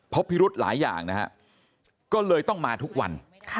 พิรุธหลายอย่างนะฮะก็เลยต้องมาทุกวัน